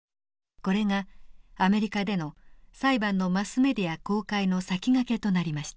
これがアメリカでの裁判のマスメディア公開の先駆けとなりました。